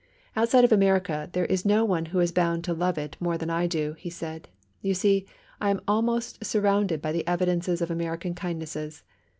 "Outside of America there is no one who is bound to love it more than I do," he said, "you see, I am almost surrounded by the evidences of American kindnesses."